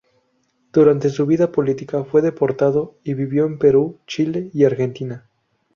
Durante su vida política fue deportado y vivió en Perú, Chile y Argentina.